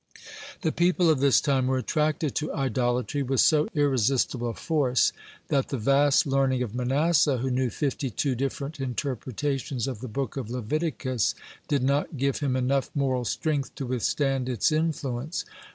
(108) The people of this time were attracted to idolatry with so irresistible a force that the vast learning of Manasseh, who knew fifty two different interpretations of the Book of Leviticus, (109) did not give him enough moral strength to withstand its influence.